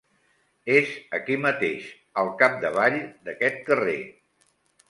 És aquí mateix, al capdavall d'aquest carrer.